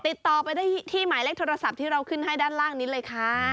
ติดต่อไปได้ที่หมายเลขโทรศัพท์ที่เราขึ้นให้ด้านล่างนี้เลยค่ะ